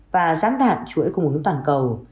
và giám đạn chuỗi cung ứng toàn cầu